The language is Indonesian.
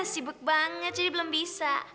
sibuk banget jadi belum bisa